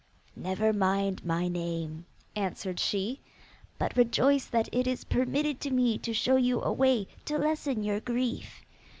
'Never mind my name,' answered she, 'but rejoice that it is permitted to me to show you a way to lessen your grief.